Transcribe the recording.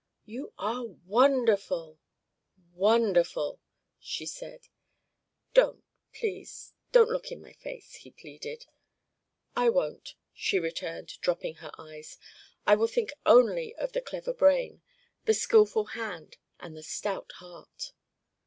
"You are wonderful wonderful!" she said. "Don't, please don't look in my face," he pleaded. "I won't," she returned, dropping her eyes; "I will think only of the clever brain, the skillful hand and the stout heart."